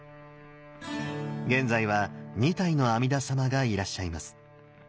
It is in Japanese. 現在は２体の阿弥陀様がいらっしゃいます。